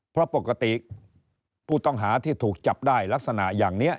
เพราะปกติผู้ต้องหาที่ถูกจับได้ลักษณะอย่างนี้